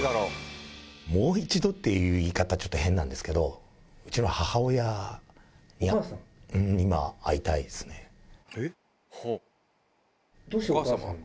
もう一度っていう言い方、ちょっと変なんですけど、うちの母親に、え？どうしてお母さんに？